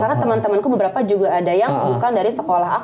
karena teman temanku beberapa juga ada yang bukan dari sekolah aku